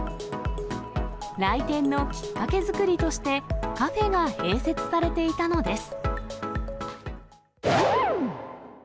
来店のきっかけ作りとして、カフェが併設されていたのです。